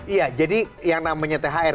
iya jadi yang namanya thr